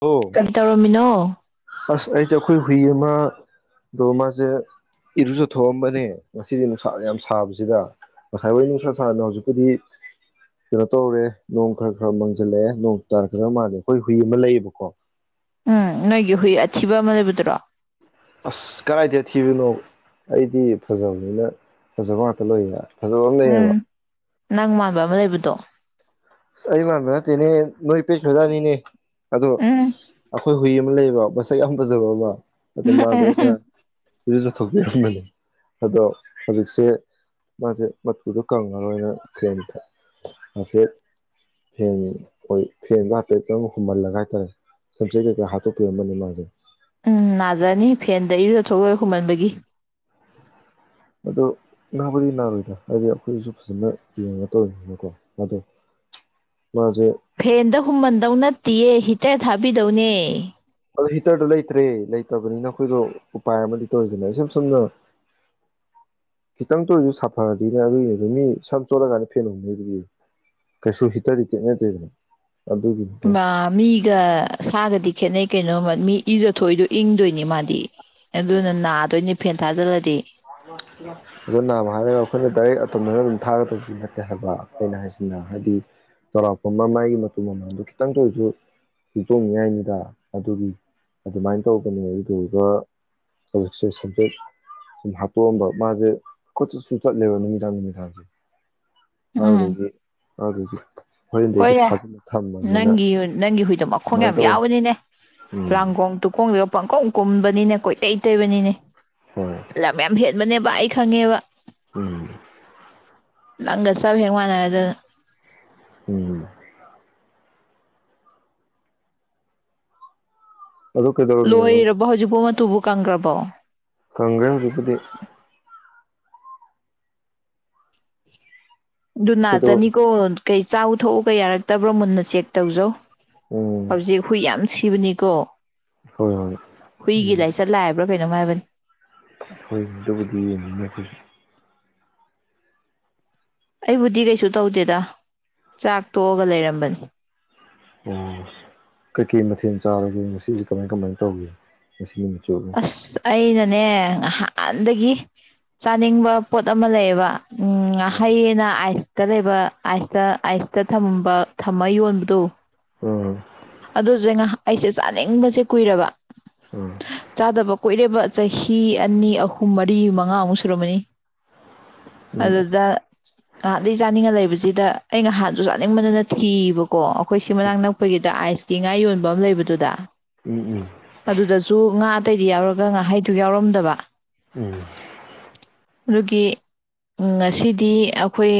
ꯑꯣ ꯀꯩꯅ ꯇꯧꯔꯝꯃꯤꯅꯣ ꯑꯁ ꯑꯩꯁꯦ ꯑꯩꯈꯣꯏ ꯍꯨꯏ ꯑꯃꯗꯣ ꯃꯥꯁꯦ ꯏꯔꯨꯖꯊꯣꯛꯑꯝꯕꯅꯦ ꯉꯁꯤꯗꯤ ꯅꯨꯡꯁꯥ ꯌꯥꯝ ꯁꯥꯕꯁꯤꯗ ꯉꯁꯥꯏ ꯍꯣꯏ ꯅꯨꯡꯁꯥ ꯁꯥꯕꯅ ꯍꯧꯖꯤꯛꯄꯨꯗꯤ ꯀꯩꯅꯣ ꯇꯧꯔꯦ ꯅꯣꯡ ꯈꯔ ꯈꯔ ꯃꯥꯡꯁꯤꯜꯂꯛꯑꯦ ꯅꯣꯡ ꯇꯥꯔꯛꯀꯗ꯭ꯔꯕ ꯃꯥꯜꯂꯦ ꯑꯩꯈꯣꯏ ꯍꯨꯏ ꯑꯃ ꯂꯩꯌꯦꯕꯀꯣ ꯎꯝ ꯅꯣꯏꯒꯤ ꯍꯨꯏ ꯑꯊꯤꯕ ꯑꯃ ꯂꯩꯕꯗꯨꯔꯣ ꯑꯁ ꯀꯗꯥꯥꯏꯗ ꯊꯤꯕꯅꯣ ꯑꯩꯗꯤ ꯐꯖꯕꯅꯤꯅ ꯐꯖꯕ ꯉꯥꯛꯇ ꯂꯣꯏꯔꯦ ꯎꯝ ꯅꯪ ꯃꯥꯕꯕꯥꯕꯥ ꯂꯩꯕꯗꯣ ꯑꯩ ꯃꯥꯃꯦ ꯅꯠꯇꯦꯅꯦ ꯅꯣꯏ ꯄꯦꯠ ꯐꯖꯥꯅꯤꯅꯦ ꯑꯗꯣ ꯎꯝ ꯑꯩꯈꯣꯏ ꯍꯨꯏ ꯑꯃ ꯂꯩꯕ ꯕꯁꯥꯏ ꯌꯥꯝꯥꯟꯕꯖꯕꯕ ꯑꯗꯨ ꯃꯥꯒꯩꯅ ꯁꯤꯁꯨ ꯆꯠꯊꯣꯛꯄꯤꯔꯝꯕꯅꯦ ꯑꯗꯣ ꯍꯧꯖꯤꯛꯁꯦ ꯃꯥꯁꯦ ꯃꯇꯨꯗꯣ ꯀꯪꯉꯔꯣꯏꯅ ꯈꯦꯟ ꯍꯥꯏꯐꯦꯠ ꯐꯦꯟ ꯑꯩꯣꯏ ꯐꯦꯟꯒꯇꯔ ꯍꯨꯝꯍꯜꯂꯒ ꯍꯥꯏꯇꯥꯔꯦ ꯁꯝꯆꯦ ꯀꯩꯀꯥ ꯍꯥꯠꯇꯣꯛꯄꯤꯔꯝꯝꯕꯅꯦ ꯃꯥꯁꯦ ꯎꯝ ꯅꯥꯖꯔꯅꯤ ꯐꯦꯟꯗ ꯏꯔꯨꯗ ꯊꯣꯛꯂꯔꯣꯏ ꯍꯨꯝꯃꯟꯕꯒꯤ ꯑꯗꯨꯗꯣ ꯅꯥꯕꯗꯤ ꯅꯥꯔꯣꯏꯗ꯭ꯔꯥ ꯍꯥꯏꯗꯤ ꯑꯩꯈꯣꯏꯁꯨ ꯐꯖꯅ ꯌꯦꯡꯉ ꯇꯧꯔꯤꯅꯀꯣ ꯃꯗꯣ ꯐꯦꯟꯗ ꯍꯨꯃꯟꯗꯧ ꯅꯠꯇꯤꯌꯦ ꯑꯦ ꯊꯥꯕꯤꯗꯧꯅꯦ ꯑꯣ ꯍꯤꯇꯔꯗꯣ ꯂꯩꯇ꯭ꯔꯦ ꯑꯗꯨꯒꯤꯅꯤꯗ ꯃꯤꯒ ꯁꯥꯒꯗꯤ ꯈꯦꯠꯅꯩ ꯀꯩꯅꯣꯃ ꯃꯤ ꯏꯖꯊꯣꯛꯏꯗꯣ ꯏꯪꯗꯣꯏꯅꯤ ꯃꯥꯗꯤ ꯑꯦ ꯑꯗꯨ ꯅ ꯑꯗꯣ ꯐꯦꯟ ꯊꯥꯖꯂꯗꯤ ꯑꯣ ꯅꯥꯃ ꯍꯥꯏꯔꯒ ꯑꯩꯈꯣꯏꯅ ꯗꯥꯏꯔꯦꯛ ꯑꯇꯝꯅꯅ ꯑꯗꯨꯝ ꯊꯥꯒꯗꯕꯗꯤ ꯅꯠꯇꯦ ꯍꯥꯏꯕ ꯑꯩꯅ ꯍꯥꯏꯁꯤꯅ ꯍꯥꯏꯗꯤ ꯆꯥꯎꯔꯥꯛꯄ ꯑꯃ ꯃꯥꯥꯏꯒꯤ ꯃꯇꯨ ꯃꯃꯥꯡꯗꯣ ꯈꯤꯇꯪꯇ ꯑꯣꯏꯔꯁꯨ ꯍꯇꯣꯡꯅꯤꯉꯥꯏꯅꯤꯗ ꯑꯗꯨꯒꯤ ꯑꯗꯨꯃꯥꯏꯅ ꯇꯧꯕꯅꯦ ꯑꯗꯨꯗꯨꯒ ꯍꯧꯖꯤꯛꯁꯦ ꯁꯕꯖꯦꯛ ꯁꯨꯝ ꯄꯣꯛꯑꯝꯕ ꯃꯥꯁꯦ ꯀꯣꯆꯠꯁꯨ ꯆꯠꯂꯦꯕ ꯅꯨꯃꯤꯗꯥꯡ ꯅꯨꯃꯤꯗꯥꯡꯁꯦ ꯑꯗꯨꯗꯒꯤ ꯑꯗꯨꯗꯤ ꯍꯣꯏꯔꯦ ꯅꯪꯒꯤ ꯅꯪꯒꯤ ꯍꯨꯏꯗꯣ ꯃꯈꯣꯡ ꯑꯗꯨꯃꯥꯏꯅ ꯌꯥꯝ ꯇꯧꯋꯦ ꯌꯥꯎꯕꯅꯤꯅꯦ ꯎꯝ ꯂꯥꯡꯒꯣꯡ ꯇꯨꯀꯣꯡꯗꯨꯒ ꯄꯪꯈꯝ ꯀꯨꯝꯕꯅꯤꯅꯦ ꯀꯣꯏ ꯇꯩ ꯇꯩꯕꯅꯤꯅꯦ ꯍꯣꯏ ꯂꯝ ꯌꯥꯝ ꯍꯦꯟꯕꯅꯦꯕ ꯑꯩ ꯈꯪꯉꯦꯕ ꯎꯝ ꯉꯪꯒ ꯆꯞ ꯍꯦꯛ ꯃꯟꯅꯔꯗꯥꯅꯥ ꯎꯝ ꯑꯗꯨ ꯀꯩꯗꯧꯔꯝꯃꯤꯅꯣ ꯅꯪ ꯂꯣꯏꯍꯔꯔꯕ ꯍꯧꯖꯤꯕ ꯑꯃ ꯇꯨꯕꯨ ꯀꯪꯈ꯭ꯔꯕꯣ ꯀꯪꯒꯔ꯭ꯦ ꯍꯧꯖꯤꯛꯄꯨꯗꯤ ꯀꯩꯗꯧ ꯨꯅꯖꯥꯅꯤ ꯀꯣ ꯀꯩ ꯆꯥꯛꯊꯣꯛꯎꯒ ꯌꯥꯔꯛꯇꯕ꯭ꯔꯣ ꯃꯨꯟꯅ ꯆꯦꯛ ꯇꯧꯖꯧ ꯎꯝ ꯍꯧꯕꯖꯤ ꯍꯨꯏ ꯌꯥꯝꯝ ꯁꯤꯕꯅꯤ ꯀꯧꯕꯣ ꯍꯣꯏ ꯍꯣꯏ ꯎꯝ ꯂꯩꯅꯣꯝ ꯍꯥꯏꯕꯅꯦ ꯍꯈꯣꯏꯇꯕꯨꯗꯤ ꯌꯦꯡꯅꯤꯡꯅꯤ ꯑꯩꯈꯣꯏꯁꯨ ꯑꯩꯕꯨꯗꯤ ꯀꯩꯁꯨ ꯇꯧꯗꯦꯗ ꯆꯥꯛ ꯇꯣꯛꯑꯒ ꯂꯩꯔꯝꯕꯅꯤ ꯑꯣ ꯀꯩꯀꯩ ꯃꯊꯦꯜ ꯆꯥꯔꯒꯦ ꯉꯁꯤꯁ ꯀꯃꯥꯏ ꯀꯃꯥꯏꯅ ꯇꯧꯒꯦ ꯉꯁꯤ ꯅꯨꯃꯤ ꯑꯁ ꯑꯩꯅꯅꯦ ꯉꯥꯏꯍꯥꯛ ꯅꯍꯟꯗꯒꯤ ꯆꯥꯅꯤꯡꯕ ꯄꯣꯠ ꯑꯃ ꯂꯩꯌꯦꯕ ꯎꯝ ꯍꯌꯦꯅ ꯑ ꯇ ꯂꯩꯕ ꯑꯥꯏꯁꯇ ꯑꯥꯏꯁꯇ ꯊꯝꯝꯕ ꯊꯝꯃ ꯌꯣꯟꯕꯗꯣ ꯎꯝ ꯑꯗꯨꯗꯖꯉ ꯑꯩꯁꯦ ꯆꯥꯅꯤꯡꯕꯁꯦ ꯀꯨꯏꯔꯕ ꯆꯥꯗꯕ ꯀꯣꯏꯔꯦꯕ ꯆꯍꯤ ꯑꯅꯤ ꯑꯍꯨꯝ ꯃꯔꯤ ꯃꯉꯥꯃꯨꯛ ꯁꯨꯔꯝꯃꯅꯤ ꯎꯝ ꯑꯗꯨꯗ ꯑꯍꯥꯟꯗꯒꯤ ꯆꯥꯅꯤꯡꯉ ꯂꯩꯕꯁꯨ ꯁꯤꯗ ꯑꯩꯅꯍꯥꯟꯁꯨ ꯆꯥꯅꯤꯡꯕꯗꯅ ꯊꯤꯕꯀꯣ ꯑꯩꯈꯣꯏ ꯁꯤ ꯃꯅꯥꯛ ꯅꯛ ꯑꯩꯈꯣꯏꯒꯤꯗ ꯑꯥꯏꯁꯀꯤ ꯉꯥ ꯌꯣꯟꯕ ꯑꯃ ꯂꯩꯕꯗꯨꯗ ꯎꯝ ꯑꯗꯨꯗꯁꯨ ꯉꯥ ꯑꯇꯩꯗꯤ ꯌꯥꯎꯔꯒ ꯉꯥꯏꯍꯩꯗꯨ ꯌꯥꯎꯔꯝꯗꯕ ꯎꯝ ꯑꯗꯨꯒꯤ ꯉꯁꯤꯗꯤ ꯑꯩꯈꯣꯏ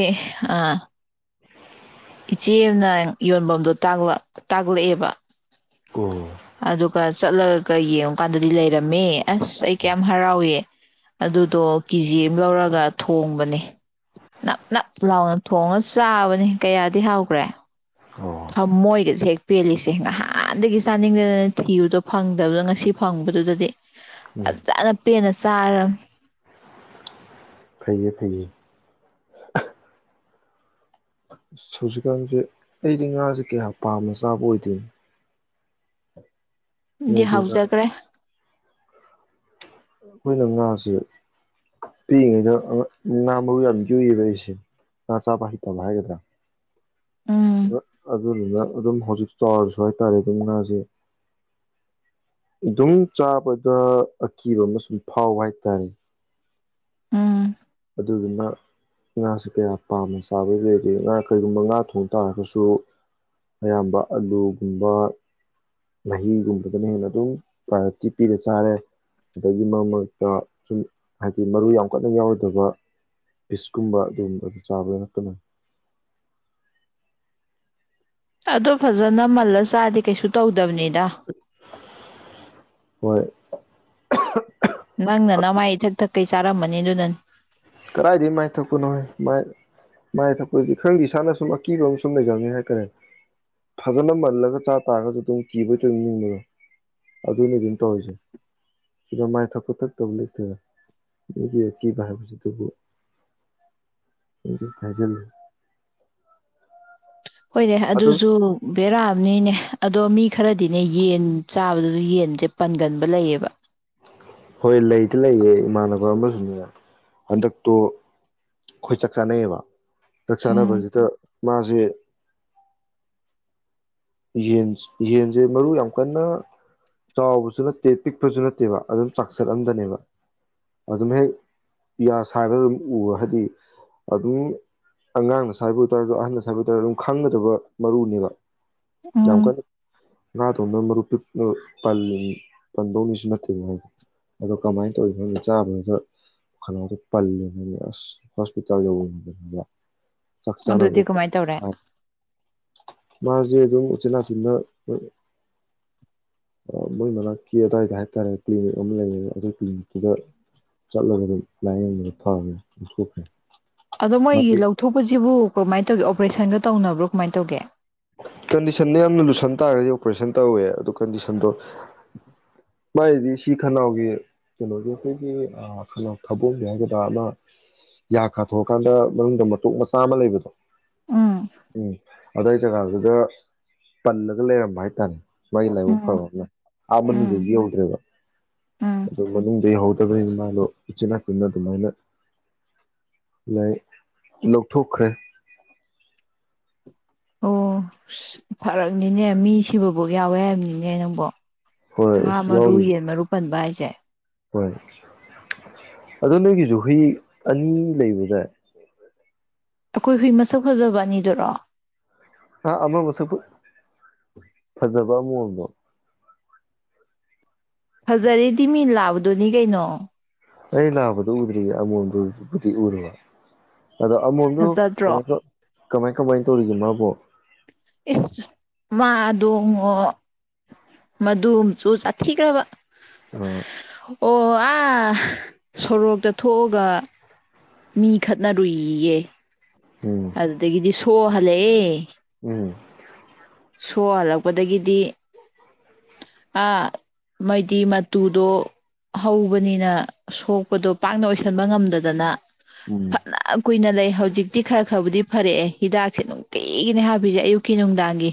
ꯏꯆꯦ ꯑꯃꯅ ꯌꯣꯟꯐꯝꯗꯣ ꯇꯥꯛꯂꯛꯑꯦꯕ ꯎꯝ ꯑꯣ ꯑꯗꯨꯒ ꯆꯠꯂꯒ ꯀ ꯌꯦꯡꯉꯨꯀꯥꯟꯗꯗꯤ ꯂꯩꯔꯝꯃꯦ ꯑꯁ ꯑꯩ ꯀꯌꯥꯝ ꯍꯔꯥꯎꯏ ꯑꯗꯨꯗꯣ ꯀꯦꯖꯤ ꯑꯃ ꯂꯧꯔꯒ ꯊꯣꯡꯕꯅꯤ ꯅꯞ ꯅꯞ ꯂꯥꯎꯅ ꯊꯣꯡꯉ ꯆꯥꯕꯅꯤ ꯀꯌꯥꯗꯤ ꯍꯥꯎꯈ꯭ꯔꯦ ꯑꯣ ꯊꯃꯣꯏꯒꯁꯦ ꯍꯦꯛ ꯄꯦꯜꯂꯤꯁꯦ ꯉꯍꯥꯟꯗꯒꯤ ꯆꯥꯅꯤꯡꯗꯗꯅ ꯊꯤꯕꯗꯣ ꯐꯪꯗꯕꯗꯣ ꯉꯁꯤ ꯐꯪꯕꯗꯨꯗꯗꯤ ꯎꯝ ꯑꯗꯨꯅ ꯄꯦꯟꯅ ꯆꯥꯔꯅꯤ ꯐꯩ ꯐꯩ ꯑꯁ ꯍꯧꯨꯖꯤꯛꯀꯥꯟꯁꯦ ꯑꯩꯗꯤ ꯉꯥꯁꯦ ꯀꯌꯥ ꯄꯥꯝꯝꯕ ꯆꯥꯕ ꯑꯣꯏꯗꯣꯏꯅꯤ ꯗꯤ ꯉꯥ ꯍꯥꯎꯖꯈ꯭ꯔꯦ ꯑꯩꯈꯣꯏꯅ ꯉꯥꯁꯦ ꯄꯤꯛꯏꯉꯩꯗ ꯉꯥ ꯃꯔꯨ ꯌꯥꯝ ꯌꯨꯏꯌꯦꯕ ꯑꯩꯁꯦ ꯉꯥ ꯆꯥꯕ ꯍꯩꯇꯕ ꯍꯥꯏꯒꯗ꯭ꯔꯥ ꯎꯝ ꯑ ꯑꯗꯨꯗꯨꯅ ꯑꯗꯨꯝ ꯍꯧꯖꯤꯛ ꯆꯥꯎꯔꯁꯨ ꯍꯥꯏꯇꯥꯔꯦ ꯑꯗꯨꯝ ꯉꯥꯁꯦ ꯑꯗꯨꯝ ꯆꯥꯕꯗ ꯑꯀꯤꯕ ꯑꯃ ꯁꯨꯝ ꯐꯥꯎ ꯍꯥꯏꯇꯥꯔꯦ ꯎꯝ ꯑꯗꯨꯗꯨꯅ ꯉꯥꯁꯤ ꯀꯌꯥ ꯄꯥꯝꯅ ꯆꯥꯕꯒꯤ ꯂꯩꯗꯤ ꯉꯥ ꯀꯔꯤꯒꯨꯝꯕ ꯉꯥ ꯊꯣꯡ ꯇꯥꯔꯒꯁꯨ ꯑꯌꯥꯝꯕ ꯑꯂꯨꯒꯨꯝꯕ ꯃꯍꯤꯒꯨꯝꯕꯗꯅ ꯍꯦꯟꯅ ꯑꯗꯨꯝ ꯄ꯭ꯔꯥꯏꯌꯣꯔꯤꯇꯤ ꯄꯤꯔ ꯆꯥꯔꯦ ꯑꯗꯒꯤ ꯃꯔꯛ ꯃꯔꯛꯇ ꯁꯨꯝ ꯍꯥꯏꯗꯤ ꯃꯔꯨ ꯌꯥꯝ ꯀꯟꯅ ꯌꯥꯎꯔ ꯐꯕ ꯄꯤꯁꯀꯨꯝꯕ ꯑꯗꯨꯝ ꯑꯗꯨ ꯆꯥꯕꯗ ꯅꯛꯇꯅ ꯑꯗꯣ ꯐꯖꯅ ꯃꯜꯂ ꯆꯥꯗꯤꯦ ꯀꯩꯁꯨ ꯇꯧꯗꯕꯅꯤꯅ ꯗ ꯍꯣꯏ ꯅꯪꯅ ꯅ ꯃꯥꯥꯏ ꯊꯛ ꯊ ꯀꯩ ꯆꯥꯔꯝꯝꯕꯅꯤ ꯑꯗꯨ ꯅꯪ ꯀꯗꯥꯏꯗꯒꯤ ꯃꯥꯏ ꯊꯛꯄꯅꯣꯣꯏ ꯃꯥꯏ ꯃꯥꯏ ꯊꯛꯄꯗꯤ ꯈꯪꯗꯦ ꯏꯁꯥꯅ ꯁꯨꯝ ꯑꯀꯤꯕ ꯑꯃ ꯁꯨꯝ ꯂꯩꯖꯅꯤ ꯍꯥꯏꯇꯥꯔꯦ ꯐꯖꯅ ꯃꯜꯂꯒ ꯆꯥ ꯇꯥꯔꯒꯁꯨ ꯑꯗꯨꯝ ꯀꯤꯕ ꯇ ꯑꯗꯨ ꯅꯤꯡꯕꯒ ꯑꯗꯨꯅ ꯑꯗꯨꯝ ꯇꯧꯔꯤꯁꯦ ꯁꯤꯗ ꯃꯥꯏ ꯊꯛꯄ ꯊꯛꯇꯕ ꯂꯩꯇꯦꯗ ꯅꯒꯤ ꯑꯀꯤꯕ ꯍꯥꯏꯕꯁꯤꯗꯤ ꯑꯗꯨꯕꯨ ꯀꯥꯏꯖ [inaudible] ꯍꯣꯏꯅꯦꯦ ꯑꯗꯨꯁꯨ ꯕꯦꯔꯛꯑꯕꯅꯤꯅꯦ ꯑꯗꯣ ꯃꯤ ꯈꯔꯗꯤꯅꯦ ꯌꯦꯟ ꯆꯥꯕꯗꯁꯨ ꯌꯦꯟꯁꯦ ꯄꯟꯒꯟꯕ ꯂꯩꯌꯦꯕ ꯍꯣꯏ ꯂꯩꯗꯤ ꯂꯩꯌꯦ ꯏꯃꯥꯟꯅꯕ ꯑꯃꯁꯨꯅꯦ ꯍꯟꯗꯛꯇꯣ ꯈꯣꯏꯆꯥꯛ ꯆꯥꯅꯩꯌꯦꯕ ꯂ ꯎꯝ ꯆꯅꯕꯖꯦꯇ ꯃꯥꯁꯦ ꯌꯦꯟ ꯌꯦꯟꯁꯦ ꯃꯔꯨ ꯌꯥꯝ ꯀꯟꯅ ꯆꯥꯎꯕꯁꯨ ꯅꯠꯇꯦ ꯄꯤꯛꯄꯁꯨ ꯅꯠꯇꯦꯕ ꯑꯗꯨꯝ ꯆꯥꯛꯁꯠꯑꯝꯗꯅꯦꯕ ꯑꯗꯨꯝ ꯍꯦꯛ ꯌꯥ ꯁꯥꯏꯔꯒ ꯑꯗꯨꯝ ꯎꯕ ꯍꯥꯏꯕꯗꯤ ꯑꯗꯨꯝ ꯑꯉꯥꯡꯅ ꯁꯥꯏꯕ ꯑꯣꯏꯇꯥꯔꯁꯨ ꯑꯍꯟꯅꯗ ꯁꯥꯏꯕ ꯑꯣꯏ ꯇꯔꯁꯨ ꯑꯗꯨꯝ ꯈꯪꯒꯗꯕ ꯃꯔꯨꯅꯦꯕ ꯌꯥꯝ ꯎꯝ ꯑꯃꯀꯗ ꯉꯥꯗꯣꯡꯕ ꯃꯔꯨꯞ ꯄꯤ ꯄꯜꯂꯤ ꯄꯟꯗꯧꯅꯤꯁꯨ ꯅꯠꯇꯦꯕ ꯍꯥꯏꯗꯣ ꯑꯗꯣ ꯀꯃꯥꯏꯅ ꯇꯧꯏ ꯈꯪꯅ ꯆꯥꯕꯗꯨꯗꯅꯥꯗꯣ ꯄꯜꯂꯦꯅꯅꯤ ꯑꯁ ꯍꯣꯁꯄꯤꯇꯥꯜ ꯌꯧꯕꯅꯤꯗꯅ ꯆꯆ ꯑꯗꯨꯗꯤ ꯀꯃꯥꯏꯅ ꯇꯧꯔꯦ ꯃꯥ ꯗꯨꯝ ꯎꯆꯤꯟ ꯅꯆꯤꯟꯅꯥ [unintelligible] ꯑꯥ ꯃꯣꯏ ꯃꯅꯥꯛꯀꯤ ꯑꯗꯨꯋꯥꯏꯗ ꯍꯥꯏꯇꯥꯔꯦ ꯀ꯭ꯂꯤꯅꯤꯛ ꯑꯃ ꯂꯩꯔꯦ ꯑꯗꯨ ꯀ꯭ꯂꯤꯅꯤꯛ ꯇꯨꯗ ꯆꯠꯂꯒ ꯑꯗꯨꯝ ꯂꯥꯏꯌꯦꯡꯕꯗ ꯐꯈ꯭ꯔꯦ [unintelligible] ꯊꯣꯛꯈ꯭ꯔꯦ ꯑꯗꯣ ꯃꯣꯏꯒꯤ ꯃꯥꯒꯤ ꯂꯧꯊꯣꯛꯄꯁꯤꯕꯨ ꯀꯃꯥꯏ ꯇꯧꯒꯦ ꯑꯣꯄ꯭ꯔꯦꯁꯟꯒ ꯇꯧꯅꯕ꯭ꯔꯣ ꯀꯃꯥꯏꯅ ꯇꯧꯒꯦ ꯀꯟꯗꯤꯁꯟꯅ ꯌꯥꯝꯅ ꯂꯨꯁꯟ ꯇꯥꯔꯒꯗꯤ ꯑꯣꯄꯔꯦꯁꯟ ꯇꯧꯋꯦ ꯑꯗꯨ ꯀꯟꯗꯤꯁꯟꯗꯣ ꯃꯒꯤꯗꯤ ꯁꯤ ꯈꯅꯥꯎꯒꯤ ꯀꯩꯅꯣꯒꯤ ꯈꯣꯏꯒꯤ ꯑꯥ ꯈꯅꯥꯎ ꯊꯥꯕꯣꯡꯒꯤ ꯍꯥꯏꯒꯗ꯭ꯔꯥ ꯑꯃ [unintelligible] ꯌꯥ ꯀꯥꯊꯣꯛꯑ ꯀꯥꯟꯗ ꯃꯅꯨꯡꯗ ꯃꯇꯣꯛ ꯃꯆꯥ ꯑꯃ ꯂꯩꯕꯗꯣ ꯎꯝ ꯑꯗꯏ ꯖꯒꯥꯗꯨꯗ ꯄꯜꯂꯒ ꯂꯩꯔꯝꯕ ꯍꯥꯏꯇꯥꯔꯦ ꯃꯥꯒꯤ ꯂꯥꯏꯕꯛ ꯎꯝ ꯐꯕ ꯑꯃꯨꯝꯅ ꯑꯥ ꯃꯅꯨꯡꯗ ꯎꯝ ꯌꯧꯗ꯭ꯔꯦꯕ ꯎꯝ ꯑꯗꯨ ꯃꯅꯨꯡꯗ ꯌꯍꯧꯗꯕꯅꯤꯅ ꯃꯥꯗꯣ ꯏꯆꯤꯟ ꯅꯥꯆꯤꯟꯅ ꯗꯨꯃꯥꯏꯅ ꯂꯥꯏ ꯂꯧꯊꯣꯛꯈ꯭ꯔꯦ ꯑꯣ [unintelligible] ꯐꯔꯛꯅꯤꯅꯦ ꯃꯤ ꯁꯤꯕꯐꯧ ꯌꯥꯎꯋꯦ ꯍꯥꯏꯕꯅꯤꯅꯦ ꯅꯪꯕ ꯍꯣꯏ ꯉꯥ ꯑꯁ ꯃꯔꯨ ꯌꯥꯎꯔꯤꯁꯦ ꯌꯦꯟ ꯃꯔꯨ ꯄꯟ ꯚꯥꯏ ꯆꯦ ꯍꯣꯏ [unintelligible] ꯑꯗꯣ ꯅꯣꯏꯒꯤꯁꯨ ꯍꯨꯏ ꯑꯅꯤ ꯂꯩꯕꯗꯏ ꯑꯩꯈꯣꯏ ꯍꯨꯏ ꯃꯁꯛ ꯐꯖꯕ ꯑꯅꯤꯗꯨꯔꯣ ꯍꯥ ꯑꯃꯥ ꯃꯁꯛ ꯐꯥ ꯐꯖꯕ ꯑꯃꯣꯝꯗꯣ ꯐꯖꯔꯦꯗꯤ ꯃꯤ ꯂꯥꯕꯗꯨꯅꯤ ꯀꯩꯅꯣ ꯑꯩ ꯂꯥꯕꯗꯨ ꯎꯗ꯭ꯔꯤꯌꯦ ꯑꯃꯣꯝꯗꯨꯕꯨꯗꯤ ꯎꯨꯔꯕ ꯑꯗꯣ ꯑꯃꯣꯝꯗꯨ ꯐꯖꯗ꯭ꯔꯣ ꯀꯃꯥꯏ ꯇꯧ ꯀꯃꯥꯏ ꯀꯃꯥꯏꯅ ꯇꯧꯔꯤꯒꯦ ꯃꯥꯕꯣ ꯏꯁ ꯃꯥꯗꯣꯡꯉꯣ ꯃꯗꯨ ꯃꯁꯨ ꯆꯥꯊꯤꯈ꯭ꯔꯕ ꯑꯥ ꯑꯣ ꯑꯥ ꯁꯣꯔꯣꯛꯇ ꯊꯣꯛꯑꯥꯒ ꯃꯤ ꯈꯠꯅꯔꯨꯏ ꯏꯌꯦ ꯎꯝ ꯑꯗꯨꯗꯒꯤꯗꯤ ꯁꯣꯑꯥ ꯍꯜꯂꯛꯑꯦ ꯎꯝ ꯁꯣꯛ ꯍꯜꯂꯛꯄ ꯗꯒꯤꯗꯤ ꯑꯥ ꯃꯣꯏꯗꯤ ꯃꯇꯨꯗꯣ ꯍꯧꯕꯅꯤꯅ ꯁꯣꯛꯄꯗꯣ ꯄꯥꯛꯅ ꯑꯣꯏꯁꯟꯕ ꯉꯝꯗꯗꯅ ꯎꯝ ꯐꯅ ꯀꯨꯏꯅ ꯂꯩ ꯍꯧꯖꯤꯛꯇꯤ ꯈꯔ ꯈꯔꯕꯨꯗꯤ ꯐꯔꯛꯑꯦ ꯍꯤꯗꯥꯛꯁꯦ ꯅꯨꯡꯇꯤꯒꯤꯅꯦ ꯍꯥꯞꯄꯤꯁꯦ ꯑꯌꯨꯛꯀꯤ ꯅꯨꯡꯗꯥꯡꯒꯤ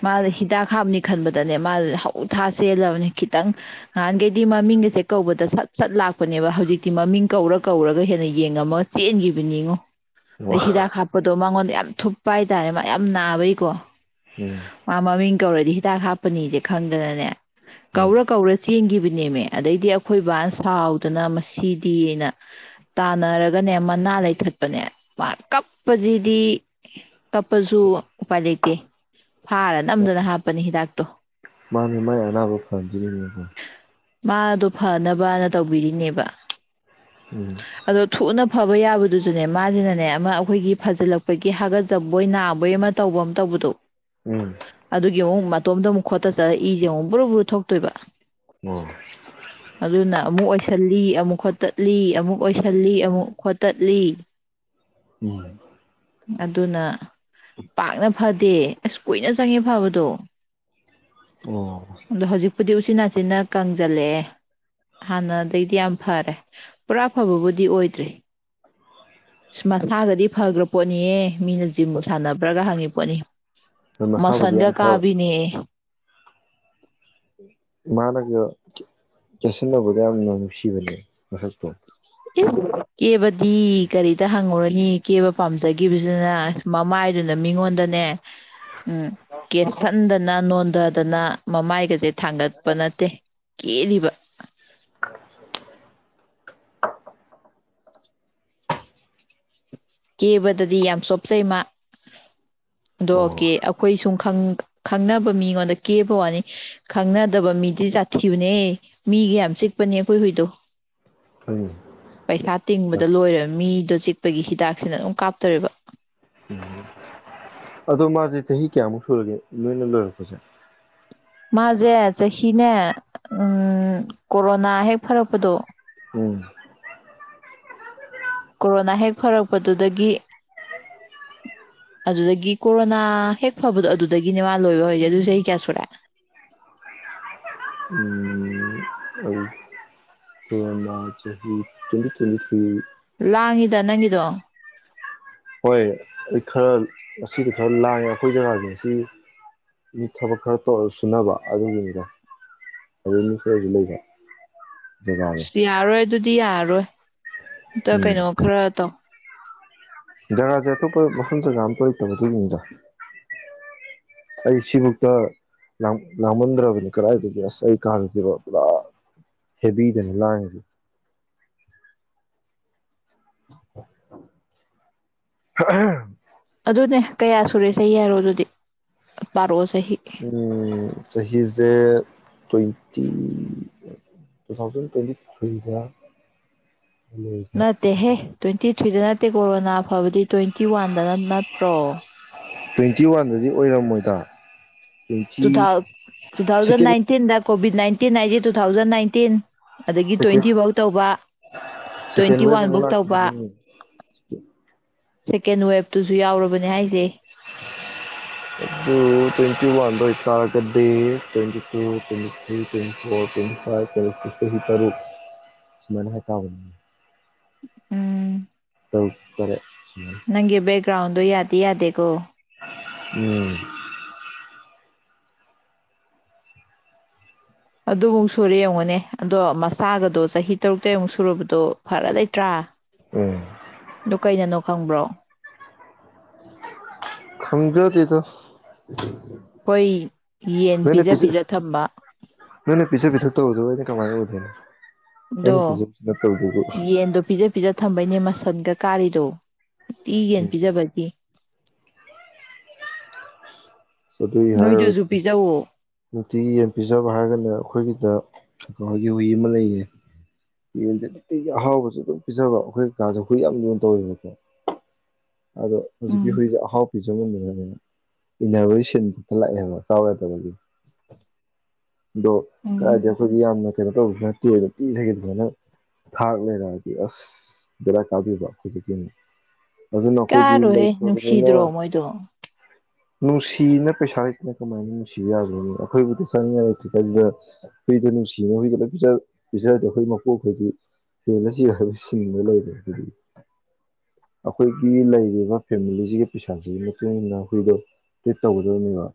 ꯃꯥꯗꯣ ꯍꯤꯗꯛ ꯍꯞꯅꯤꯛ ꯈꯟꯕꯗꯅꯦ ꯃꯥ ꯍꯧ ꯊꯥ ꯆꯦꯜꯂꯕꯅꯦ ꯈꯤꯇꯪ ꯅꯍꯥꯟꯈꯩꯗꯤ ꯃꯃꯤꯡꯒꯁꯦ ꯀꯧꯕꯗ ꯁꯠ ꯁꯠ ꯂꯥꯛꯄꯅꯦꯕ ꯍꯧꯖꯤꯛꯇꯤ ꯃꯃꯤꯡ ꯀꯧꯔ ꯀꯧꯔꯒ ꯍꯦꯟꯅ ꯌꯦꯡꯉꯝꯃꯒ ꯆꯦꯟꯈꯤꯕꯅꯤꯉꯣ ꯎꯝ ꯑꯗꯩ ꯑꯣ ꯍꯤꯗꯥꯛ ꯍꯥꯞꯄꯗꯣ ꯃꯉꯣꯟꯗ ꯌꯥꯝ ꯊꯨꯞꯄ ꯍꯥꯏꯇꯥꯔꯦ ꯃꯥ ꯌꯥꯝ ꯅꯥꯕꯩꯀꯣ ꯎꯝ ꯃꯥ ꯃꯃꯤꯡ ꯀꯧꯔꯗꯤ ꯍꯤꯗꯥꯛ ꯍꯥꯞꯄꯅꯤꯁꯦ ꯈꯪꯗꯅꯅꯦ ꯎꯝ ꯀꯧꯔ ꯀꯧꯔ ꯆꯦꯟꯈꯤꯕꯅꯦꯃꯦ ꯑꯗꯩꯗꯤ ꯑꯩꯈꯣꯏ ꯕꯥ ꯁꯥꯎꯗꯅ ꯃꯁꯤꯗꯤꯅ ꯇꯥꯟꯅꯔꯒꯅꯦ ꯃꯅꯥ ꯂꯩꯊꯠꯄꯅꯦ ꯃꯥ ꯀꯞꯄꯁꯤꯗꯤ ꯀꯞꯄꯁꯨ ꯎꯄꯥꯏ ꯂꯩꯇꯦ ꯐꯥꯔ ꯅꯝꯗꯅ ꯍꯥꯞꯄꯅꯤ ꯍꯤꯗꯥꯛꯇꯣ ꯃꯥꯅꯦ ꯃꯥꯏ ꯑꯅꯥꯕ ꯐꯗꯨꯏꯔꯤꯕꯅꯦꯀꯣ ꯃꯥꯗꯣ ꯐꯅꯕꯅ ꯇꯧꯕꯤꯔꯤꯅꯦꯕ ꯎꯝ ꯑꯗꯣ ꯊꯨꯅꯞ ꯐꯕ ꯌꯥꯕꯗꯨꯁꯨꯅꯦ ꯃꯥꯁꯤꯅꯅꯦ ꯑꯃ ꯑꯈꯣꯏꯒꯤ ꯐꯖꯤꯜꯂꯛꯄꯒꯤ ꯍꯥꯒꯠꯆꯕꯣꯏ ꯅꯥꯕꯣꯏ ꯑꯃ ꯇꯧꯕ ꯑꯃ ꯇꯧꯕꯗꯣ ꯎꯝ ꯑꯗꯨꯏ ꯌꯦꯡꯉꯨ ꯃꯇꯣꯝꯗ ꯃꯨꯛ ꯈꯣꯠꯇꯠ ꯆꯔ ꯏꯖꯦ ꯑꯃꯨꯛ ꯕꯨꯔꯨ ꯕꯨꯔꯨ ꯊꯣꯛꯇꯣꯏꯕ ꯑꯣ ꯑꯗꯨꯅ ꯑꯃꯨꯛ ꯑꯣꯏꯁꯜꯂꯤ ꯑꯃꯨꯛ ꯈꯣꯠꯇꯠꯂꯤ ꯑꯃꯨꯛ ꯑꯣꯏꯁꯜꯂꯤ ꯑꯃꯨꯛ ꯈꯣꯠꯇꯠꯂꯤ ꯎꯝ ꯑꯗꯨꯅ ꯄꯥꯛꯅ ꯐꯗꯦ ꯑꯁ ꯀꯨꯏꯅ ꯆꯪꯉꯦ ꯐꯕꯗꯣ ꯑꯣ ꯑꯗꯣ ꯍꯧꯖꯤꯛꯄꯨꯗꯤ ꯎꯆꯤꯟꯅꯥꯆꯤꯟꯅ ꯀꯪꯖꯜꯂꯛꯑꯦ ꯍꯥꯟꯅꯗꯩꯗꯤ ꯌꯥꯝ ꯐꯔꯦ ꯄꯨꯔꯥ ꯐꯕꯕꯨꯗꯤ ꯑꯣꯏꯗ꯭ꯔꯤ ꯃꯁꯥꯒꯗꯤ ꯐꯒꯔꯥꯄꯣꯠꯅꯤꯍꯦ ꯃꯤꯅ ꯖꯤꯝ ꯁꯥꯟꯅꯕ꯭ꯔꯒ ꯍꯪꯉꯤ ꯄꯣꯠꯅꯤ ꯍꯣꯏ ꯃꯁꯥꯕꯨꯗꯤ ꯃꯁꯟꯒ ꯌꯥꯝ ꯐꯕ ꯀꯥꯕꯤꯅꯤ ꯃꯥꯅꯒ ꯀꯦꯁꯤꯟꯅꯕꯗ ꯌꯥꯝꯅ ꯅꯨꯡꯁꯤꯕꯅꯦ ꯃꯁꯛꯇꯣ [unintelligible] ꯀꯦꯕꯗꯤ ꯀꯔꯤꯗ ꯍꯪꯉꯨꯔꯅꯤ ꯀꯦꯕ ꯄꯥꯝꯖꯒꯤꯕꯖꯤꯅ ꯃꯃꯥꯏꯗꯨꯅ ꯃꯤꯉꯣꯟꯗꯅꯦ ꯎꯝ ꯀꯦꯁꯟꯗꯅ ꯅꯣꯟ ꯗꯗꯅ ꯃꯃꯥꯏꯒꯁꯦ ꯊꯥꯡꯒꯠꯄ ꯅꯠꯇꯦ ꯀꯦꯔꯤꯕ ꯀꯦꯕꯗꯗꯤ ꯌꯥꯝ ꯆꯣꯞꯆꯩ ꯃꯥ ꯑꯗꯣ ꯑꯣ ꯀꯦ ꯑꯈꯣꯏ ꯁꯨꯝ ꯈꯪꯅꯕ ꯃꯤꯉꯣꯟꯗ ꯀꯦꯕ ꯋꯥꯅꯤ ꯈꯪꯅꯗꯕ ꯃꯤꯗꯤ ꯖꯥꯠꯊꯤꯕꯅꯦ ꯃꯤꯒ ꯌꯥꯝ ꯆꯤꯛꯄꯅꯤ ꯑꯈꯣꯏ ꯍꯨꯏꯗꯣ ꯍꯣꯏꯅꯦ ꯄꯩꯁꯥ ꯇꯤꯡꯕꯗ ꯂꯣꯏꯔ ꯃꯤꯗꯣ ꯆꯤꯛꯄꯒꯤ ꯍꯤꯗꯥꯛ ꯁꯤꯅ ꯑꯗꯨꯝ ꯀꯥꯞꯇꯣꯔꯤꯕ ꯎꯝ ꯑꯗꯣ ꯃꯥꯖꯦ ꯆꯍꯤ ꯀꯌꯥꯃꯨꯛ ꯁꯨꯔꯒꯦ ꯅꯣꯏꯅ ꯂꯣꯏꯔꯛꯄꯖꯦ ꯃꯥꯖꯦ ꯆꯍꯤꯅꯦ ꯎꯝ ꯀꯣꯔꯣꯅꯥ ꯍꯦꯛ ꯐꯔꯛꯄꯗꯣ ꯎꯝ ꯀꯣꯔꯣꯅꯥ ꯍꯦꯛ ꯐꯔꯛꯄꯗꯨꯗꯒꯤ ꯑꯗꯨꯗꯒꯤ ꯀꯣꯔꯣꯅꯥ ꯍꯦꯛ ꯐꯕꯗꯣ ꯑꯗꯨꯗꯒꯤꯅꯦ ꯃꯥ ꯂꯣꯏꯕ ꯍꯧꯏ ꯖꯦ ꯑꯗꯨ ꯆꯍꯤ ꯀꯌꯥ ꯁꯨꯔꯦ ꯀꯣꯔꯣꯅꯥ ꯆꯍꯤ ꯇꯣꯏꯟꯇꯤ ꯇꯣꯏꯟꯇꯤ ꯊꯔ꯭ꯤ ꯂꯥꯡꯉꯤꯗ ꯅꯪꯒꯤꯗꯣ ꯍꯣꯏ ꯑꯩ ꯈꯔ ꯉꯁꯤꯗꯤ ꯈꯔ ꯂꯥꯡꯉꯦ ꯑꯈꯣꯏ ꯖꯒꯥꯖꯦ ꯉꯁꯤ ꯃꯤ ꯊꯕꯛ ꯈꯔ ꯇꯧꯔ ꯁꯨꯅꯕ ꯑꯗꯨꯒꯤꯅꯤꯗ ꯑꯗꯨ ꯃꯤ ꯈꯔꯖꯨ ꯂꯩꯕ ꯖꯒꯥꯗꯣ ꯑꯁ ꯌꯥꯔꯣꯏ ꯑꯗꯨꯗꯤ ꯌꯥꯔꯣꯏ ꯑꯝꯇ ꯀꯩꯅꯣ ꯈꯔ ꯇꯧ ꯖꯒꯥꯖꯦ ꯑꯇꯣꯞꯄ ꯃꯐꯝ ꯖꯒꯥ ꯑꯝꯇ ꯂꯩꯇꯕ ꯑꯗꯨꯒꯤꯅꯤꯗ ꯑꯩ ꯁꯤꯕꯧꯇ ꯂꯥꯡ ꯂꯥꯡꯃꯟꯗ꯭ꯔꯕꯅꯤ ꯀꯔꯥꯏꯗꯒꯤ ꯑꯁ ꯑꯩ ꯀꯥꯒ ꯍꯦꯕꯤꯗꯅꯤ ꯂꯥꯡꯉꯤ ꯖꯦ [unintelligible] ꯑꯗꯨꯅꯦ ꯀꯌꯥ ꯁꯨꯔꯦ ꯆꯍꯤ ꯍꯥꯏꯔꯣ ꯑꯗꯨꯗꯤ ꯄꯥꯔꯛꯑꯣꯁ ꯎꯝ ꯆꯍꯤꯖꯦ ꯇꯋꯦꯟꯇꯤ ꯇꯨ ꯊꯥꯎꯖꯟ ꯇ꯭ꯋꯦꯟꯇꯤ ꯊ꯭ꯔꯤꯗ ꯂꯩꯕ ꯅꯠꯇꯦ ꯍꯦ ꯇ꯭ꯋꯦꯟꯇꯤ ꯊꯔ꯭ꯤꯗ ꯅꯠꯇꯦ ꯀꯣꯔꯣꯅꯥ ꯐꯕꯗꯤ ꯇ꯭ꯋꯦꯟꯇꯤ ꯋꯥꯟꯗꯅ ꯅꯠꯇ꯭ꯔꯣ ꯇ꯭ꯋꯦꯟꯇꯤ ꯋꯥꯟꯗꯗꯤ ꯑꯣꯏꯔꯝꯃꯣꯏꯗ ꯇ꯭ꯋꯦꯟꯇꯤ ꯇꯨ ꯊꯥꯎ ꯇꯨ ꯊꯥꯎꯖꯟ ꯁꯦꯀꯦꯟ ꯅꯥꯏꯟꯇꯤꯟꯗ ꯀꯣꯚꯤꯠ ꯅꯥꯏꯟꯇꯤꯟ ꯍꯥꯏꯖꯤ ꯇꯨ ꯊꯥꯎꯖꯟ ꯅꯥꯏꯟꯇꯤꯟ ꯑꯗꯒꯤ ꯁꯦꯀꯦꯟ ꯇ꯭ꯋꯦꯟꯇꯤ ꯕꯧ ꯇꯧꯕ ꯁꯦꯀꯦꯟ ꯇ꯭ꯋꯦꯟꯇꯤ ꯋꯦꯕ ꯋꯥꯟ ꯑꯃꯨꯛ ꯕꯧ ꯇꯧꯕ ꯂꯥꯛꯈꯤꯕꯅꯦ ꯁꯦꯀꯦꯟ ꯋꯦꯕꯇꯨꯖꯨ ꯌꯥꯎꯔꯕꯅꯦ ꯍꯥꯏꯖꯩ ꯑꯗꯨ ꯇ꯭ꯋꯦꯟꯇꯤ ꯋꯥꯟꯗ ꯑꯣꯏꯇꯥꯔꯒꯗꯤ twenty two twenty three twenty four twenty five ꯆꯍꯤ ꯇꯔꯨꯛ ꯁꯨꯃꯥꯏꯅ ꯍꯥꯏꯇꯥꯕꯅꯤ ꯎꯝ ꯇꯔꯨꯛ ꯇꯔꯦꯠ ꯁꯨꯃꯥꯏꯅ ꯅꯪꯒꯤ ꯕꯦꯛꯒ꯭ꯔꯥꯎꯗꯨ ꯌꯥꯗ ꯗꯤ ꯌꯥꯗꯦꯀꯣ ꯎꯝ ꯑꯗꯨꯃꯨꯛ ꯁꯨꯔꯦ ꯌꯦꯡꯉꯨꯅꯦ ꯑꯗꯣ ꯃꯁꯥꯒꯗꯣ ꯆꯍꯤ ꯇꯔꯨꯛ ꯇꯥꯔꯦꯠ ꯃꯨꯛ ꯁꯨꯔꯕꯗꯣ ꯐꯔ ꯂꯩꯇ꯭ꯔꯥ ꯎꯝ ꯑꯗꯨ ꯀꯩꯅꯅꯣ ꯈꯪꯕ꯭ꯔꯣ ꯈꯪꯖꯗꯦꯗ ꯑꯩꯈꯣꯏ ꯌꯦꯟ ꯫ ꯅꯣꯏꯅꯥ ꯄꯤꯖ ꯊꯝꯕ ꯅꯣꯏꯅ ꯄꯤꯖꯥ ꯄꯤꯊꯛ ꯇꯧꯗꯕꯩꯅꯦ꯫ ꯀꯃꯥꯏ ꯑꯣꯏꯗꯅ ꯑ ꯗꯣ ꯌꯦꯟꯗꯣ ꯄꯤꯖ - ꯄꯤꯖ ꯊꯝꯕꯩꯅꯦ ꯃꯁꯟꯒ ꯀꯥꯔꯤꯗꯣ ꯄꯤꯒꯦꯅ ꯎꯝ ꯄꯤꯖꯕ ꯑꯗꯨꯒꯤ ꯅꯣꯏꯗꯨꯁꯨ ꯍꯥꯏꯔꯨꯔꯥꯗꯤ ꯄꯤꯖꯧꯋꯣ ꯅꯨꯡꯇꯤꯒꯤ ꯌꯦꯟ ꯄꯤꯖꯕ ꯍꯥꯏꯔꯒꯅ ꯑꯩꯈꯣꯏꯒꯤꯗ ꯀꯀꯥꯒꯤ ꯍꯨꯏ ꯑꯃ ꯂꯩꯌꯦ ꯌꯦꯟꯁꯦ ꯅꯨꯡꯇꯤꯒꯤ ꯑꯍꯥꯎꯕꯁꯦ ꯑꯗꯨꯝ ꯄꯤꯖꯕ ꯑꯩꯈꯣꯏ ꯀꯀꯥꯁꯦ ꯍꯨꯏ ꯌꯥꯝ ꯌꯣꯟ ꯇꯧꯋꯦꯕꯀꯣ ꯑꯗꯣ ꯍꯧꯖꯤꯛꯀꯤ ꯎꯝ ꯍꯨꯏ ꯑꯍꯥꯎ ꯄꯤꯖꯃꯟꯗꯅꯅꯦ ꯏꯟ ꯅꯥꯕꯩ ꯁꯤꯟꯗ ꯂꯛ ꯑ ꯍꯥꯏꯕꯥ ꯆꯥꯎ ꯌꯥꯗꯕꯩ ꯫ ꯑꯗꯣ ꯎꯝ ꯀꯥꯏꯗ ꯑꯩꯈꯣꯏꯗꯤ ꯌꯥꯝꯅ ꯀꯩꯅꯣ ꯇꯧꯕꯗꯨ ꯅꯠꯇꯦꯅ ꯄꯤꯖꯒꯦ ꯑꯗꯨꯃꯥꯏꯅ ꯊꯥꯛ ꯂꯩꯔꯛꯑꯗꯤ ꯑꯁ ꯕꯦꯔꯥ ꯀꯥꯗꯕ ꯍꯧꯖꯤꯛꯇꯀꯤꯅꯦ ꯀꯥꯔꯣꯏꯍꯦ ꯅꯨꯡꯁꯤꯗ꯭ꯔꯣ ꯃꯣꯏꯗꯣ ꯅꯨꯡꯁꯤꯅ ꯄꯩꯁꯥ ꯂꯩꯇꯅ ꯀꯃꯥꯏꯅ ꯅꯨꯡꯁꯤꯕ ꯌꯥꯒꯅꯤ ꯑꯩꯈꯣꯏꯕꯨꯗ ꯆꯪꯅꯤꯡꯉꯥꯏ ꯂꯩꯇ꯭ꯔꯤꯀꯩꯁꯤꯗ ꯍꯨꯏꯗ ꯅꯨꯡꯁꯤꯅ ꯍꯨꯏꯗ ꯂ ꯄꯤꯖꯔꯗꯤ ꯑꯩꯈꯣꯏ ꯃꯄꯣꯛꯈꯣꯏꯗꯤ ꯍꯦꯜꯂꯁꯤ ꯍꯥꯏꯕ ꯁꯤꯕ ꯂꯩꯕ ꯑꯗꯨꯗꯤ ꯑꯩꯈꯣꯏꯒꯤ ꯂꯩꯔꯤꯕ ꯐꯦꯃꯤꯂꯤꯁꯤꯒꯤ ꯄꯩꯁꯥꯁꯤꯒꯤ ꯃꯇꯨꯡ ꯃꯇꯨꯡꯏꯟꯅ ꯍꯨꯏꯗꯣ ꯇ꯭ꯔꯤꯠ ꯇꯧꯒꯗꯕꯅꯦꯕ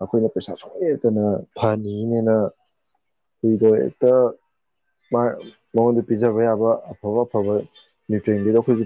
ꯑꯩꯈꯣꯏꯅ ꯄꯩꯁꯥ ꯁꯨꯡ ꯂꯩꯇꯅ ꯐꯍꯟꯅꯤꯡꯉꯤꯅꯦꯅ ꯍꯨꯏꯗꯣ ꯍꯦꯛꯇ ꯃꯉꯣꯟꯗ ꯄꯤꯖꯕ ꯌꯥꯕ ꯑꯐꯕ- ꯑꯐꯕ ꯅ꯭ꯌꯨꯇ꯭ꯔꯤꯟꯗꯨꯗ ꯑꯩꯈꯣꯏꯒꯤ